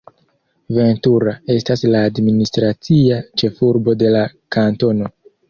Ventura estas la administracia ĉefurbo de la kantono.